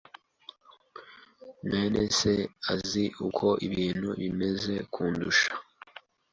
mwene se azi uko ibintu bimeze kundusha.